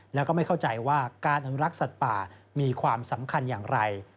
แล้วก็ไม่เข้าใจว่าการอนุรักษ์สัตว์ป่ามีความสำคัญอย่างไร